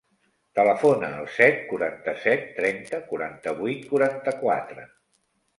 Telefona al set, quaranta-set, trenta, quaranta-vuit, quaranta-quatre.